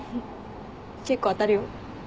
結構当たるよ。